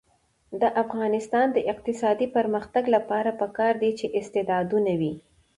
د افغانستان د اقتصادي پرمختګ لپاره پکار ده چې استعدادونه وي.